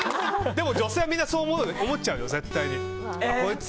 でも女性はみんなそう思っちゃうよ絶対に。こいつ。